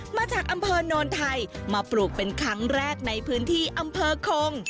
มาจากอำเภอโนนไทยมาปลูกเป็นครั้งแรกในพื้นที่อำเภอคง